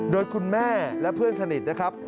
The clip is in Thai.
โดยคุณแม่และเพื่อนสนิทนะครับ